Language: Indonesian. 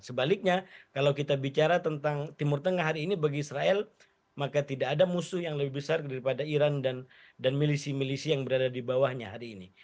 sebaliknya kalau kita bicara tentang timur tengah hari ini bagi israel maka tidak ada musuh yang lebih besar daripada iran dan milisi milisi yang berada di bawahnya hari ini